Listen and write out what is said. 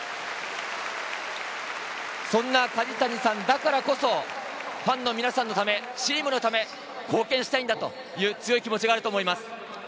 そんな梶谷さんだからこそ、ファンの皆さんのため、チームのため、貢献したいんだという強い気持ちがあると思います。